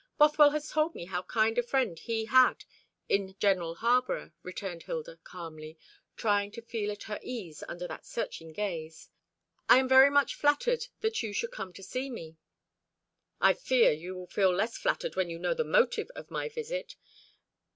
Bothwell has told me how kind a friend he had in General Harborough," returned Hilda calmly, trying to feel at her ease under that searching gaze. "I am very much flattened that you should come to see me." "I fear you will feel less flattered when you know the motive of my visit.